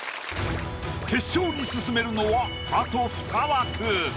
決勝に進めるのはあとふた枠。